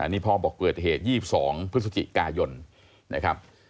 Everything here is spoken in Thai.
นี่พ่อบอกเกิดเหตุ๒๒พฤศจิกายนนะครับ